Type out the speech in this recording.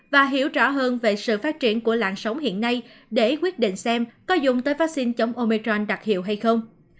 và hiểu rõ hơn về sự phát triển của làng sống hiện nay để quyết định xem có dùng tới vaccine chống omecran đặc hiệu hay không